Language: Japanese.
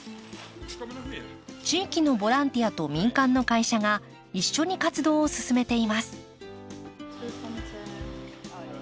地域のボランティアと民間の会社が一緒に活動を進めています。